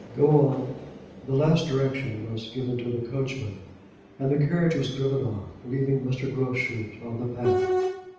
Go on." The last direction was given to the coachman, and the carriage was driven off, leaving Mr. Groschut on the path.